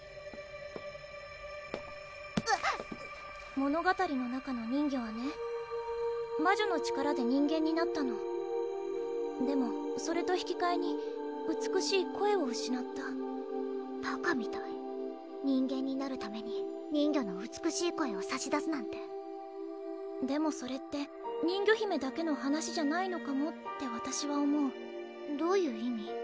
物語の中の人魚はね魔女の力で人間になったのでもそれと引きかえに美しい声をうしなったバカみたい人間になるために人魚の美しい声をさし出すなんてでもそれって人魚姫だけの話じゃないのかもってわたしは思うどういう意味？